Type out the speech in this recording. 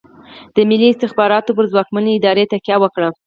د ملي استخباراتو پر ځواکمنې ادارې تکیه وکړه.